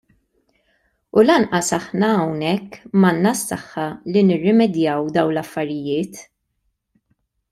U lanqas aħna hawnhekk m'għandna s-saħħa li nirrimedjaw dawn l-affarijiet.